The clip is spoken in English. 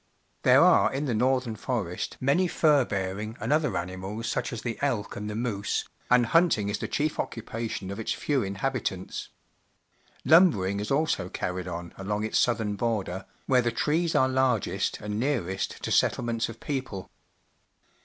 There are in the north ern^ forest_jiiany fur bearing and other ani mals such as the elk and the moose, and hunting is the chief occupation of its few inhabitants. Lumbering is also carried on along its southern border, where the trees are largest and nearest to settlements of people.